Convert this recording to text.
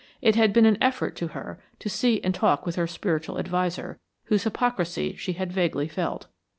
It had been an effort to her to see and talk with her spiritual adviser, whose hypocrisy she had vaguely felt.